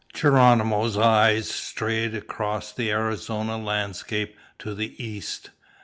Geronimo's eyes strayed across the Arizona landscape to the east.